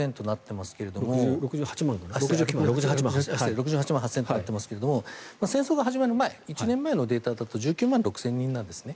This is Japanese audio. ここで６８万８０００人となっていますが戦争が始まる前１年前のデータだと１９万６０００人なんですね。